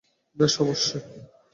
বেশ, অবশ্যই।